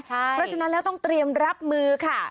เพราะฉะนั้นแล้วต้องเตรียมรับมือค่ะ